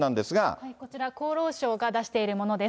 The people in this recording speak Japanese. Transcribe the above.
こちら、厚労省が出しているものです。